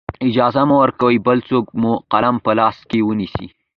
اجازه مه ورکوئ بل څوک مو قلم په لاس کې ونیسي.